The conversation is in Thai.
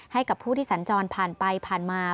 ให้กับผู้ที่สัญจรผ่านไปผ่านมา